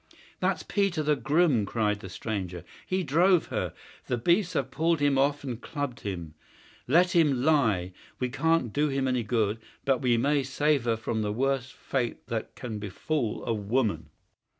"That's Peter, the groom," cried the stranger. "He drove her. The beasts have pulled him off and clubbed him. Let him lie; we can't do him any good, but we may save her from the worst fate that can befall a woman."